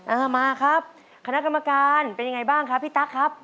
อ่ามาครับคณะกรรมการเป็นยังไงบ้างครับพี่ตั๊กครับ